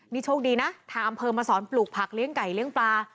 นี่โชคดีนะทางอำเภอมาสอนปลูกผักเลี้ยงไก่เลี้ยงปลา